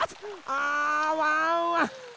あワンワン